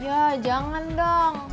ya jangan dong